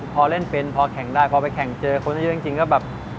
พอเล่นเป็นพอแข่งได้พอไปแข่งเจอคนเยอะจริงก็แบบ